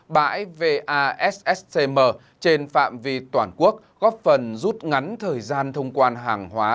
bãi vasscm trên phạm vi toàn quốc góp phần rút ngắn thời gian thông quan hàng hóa